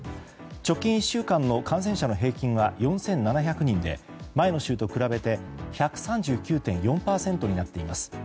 直近１週間の感染者の平均は４７００人で前の週と比べて１３９．４％になっています。